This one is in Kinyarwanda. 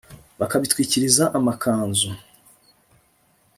bakabitwikiriza amakanzu